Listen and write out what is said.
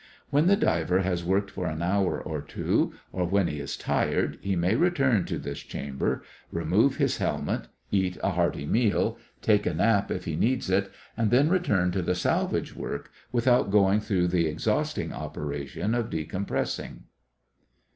When the diver has worked for an hour or two, or when he is tired, he may return to this chamber, remove his helmet, eat a hearty meal, take a nap if he needs it, and then return to the salvage work without going through the exhausting operation of decompressing.